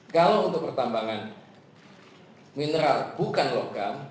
kalau untuk pertambangan mineral bukan logam